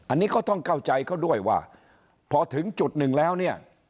อันนี้ก็ต้องเข้าใจเขาด้วยว่าพอถึงจุดหนึ่งแล้วเนี่ย